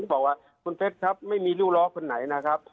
พระอาทิตย์ครับไม่มีริ้วร้อนายนะครับ